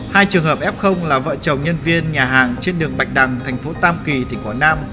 hai trường hợp f là vợ chồng nhân viên nhà hàng trên đường bạch đằng tp tam kỳ tp nam